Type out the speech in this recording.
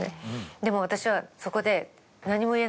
でも私はそこで。